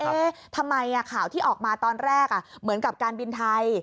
ทำไมข่าวที่ออกมาตอนแรกเหมือนกับการบินไทย